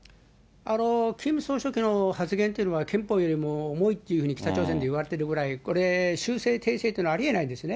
キム総書記の発言というのは、憲法よりも重いというふうに北朝鮮で言われてるぐらい、これ、修正、訂正というのはありえないんですね。